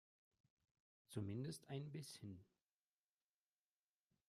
Zumindest ein bisschen.